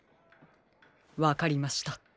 わかりました。